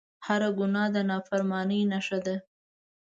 هر ګناه د نافرمانۍ نښه ده